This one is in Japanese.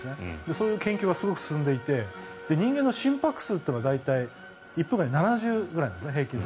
そういう研究はすごく進んでいて人間の心拍数って１分間で平均すると７０ぐらいなんですね。